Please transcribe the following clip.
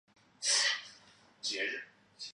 一般男生组前四名将来年公开组男生第二级。